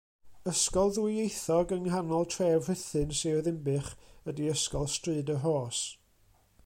Ysgol ddwyieithog yng nghanol tref Rhuthun, Sir Ddinbych ydy Ysgol Stryd y Rhos.